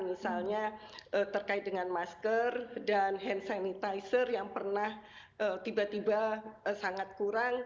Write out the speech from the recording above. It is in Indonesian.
misalnya terkait dengan masker dan hand sanitizer yang pernah tiba tiba sangat kurang